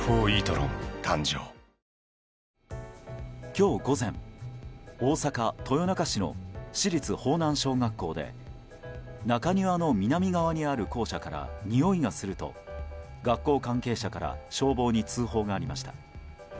今日午前、大阪・豊中市の市立豊南小学校で中庭の南側にある校舎からにおいがすると学校関係者から消防に通報がありました。